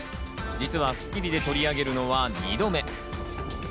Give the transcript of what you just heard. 実は『スッキリ』で取り上げるのは２度目。